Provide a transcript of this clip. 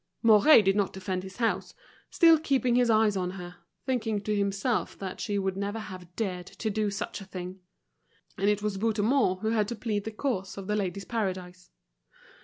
Mouret did not defend his house, still keeping his eyes on her, thinking to himself that she would never have dared to do such a thing. And it was Bouthemont who had to plead the cause of The Ladies' Paradise.